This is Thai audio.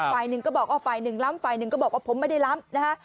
ฝ่ายหนึ่งก็บอกว่าฝ่ายหนึ่งล้ำฝ่ายหนึ่งก็บอกว่าผมไม่ได้ล้ำนะฮะ